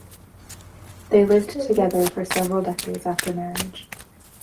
They lived together for several decades after marriage.